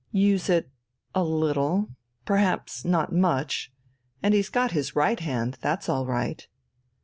"Use it ... a little.... Perhaps not much. And he's got his right hand, that's all right."